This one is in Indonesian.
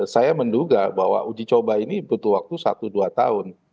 saya menduga bahwa uji coba ini butuh waktu satu dua tahun